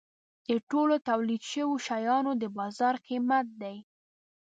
د ټولو تولید شوو شیانو د بازار قیمت دی.